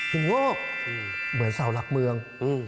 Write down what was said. หินงอกเหมือนเสาหลักเมือง